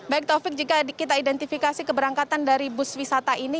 baik taufik jika kita identifikasi keberangkatan dari bus wisata ini